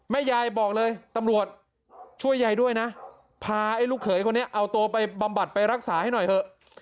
ยายบอกเลยตำรวจช่วยยายด้วยนะพาไอ้ลูกเขยคนนี้เอาตัวไปบำบัดไปรักษาให้หน่อยเถอะ